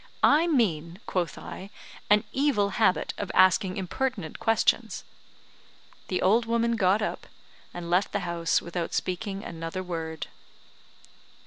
"I mean," quoth I, "an evil habit of asking impertinent questions." The old woman got up, and left the house without speaking another word.